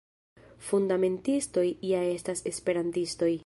Fundamentistoj ja estas Esperantistoj.